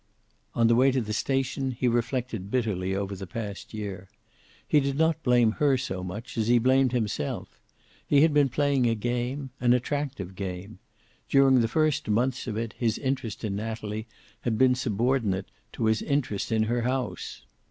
On the way to the station he reflected bitterly over the past year. He did not blame her so much as he blamed himself. He had been playing a game, an attractive game. During the first months of it his interest in Natalie had been subordinate to his interest in her house.